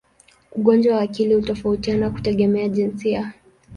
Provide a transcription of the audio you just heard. Ugonjwa wa akili hutofautiana kutegemea jinsia.